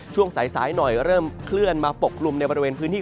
ช่วงสายหน่อยเริ่มเคลื่อนมาปกกลุ่มในบริเวณพื้นที่